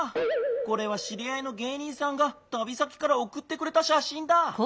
これはしりあいの芸人さんがたび先からおくってくれたしゃしんだ。